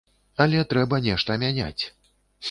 Але трэба нешта мяняць.